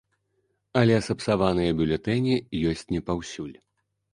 Але сапсаваныя бюлетэні ёсць не паўсюль.